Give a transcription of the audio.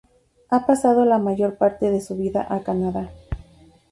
Ha pasado la mayor parte de su vida a Canadá.